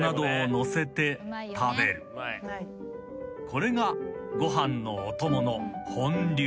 ［これがご飯のお供の本流］